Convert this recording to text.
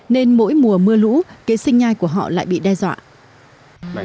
nên mỗi mùa mưa lũ kế sinh nhai của họ lại bị đe dọa